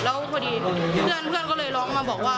แล้วพอดีเพื่อนก็เลยร้องมาบอกว่า